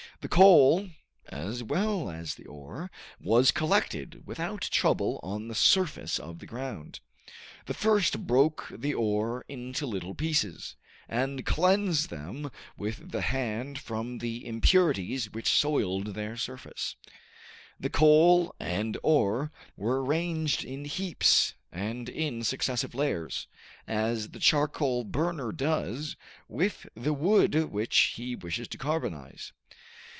The coal, as well as the ore, was collected without trouble on the surface of the ground. They first broke the ore into little pieces, and cleansed them with the hand from the impurities which soiled their surface. Then coal and ore were arranged in heaps and in successive layers, as the charcoal burner does with the wood which he wishes to carbonize.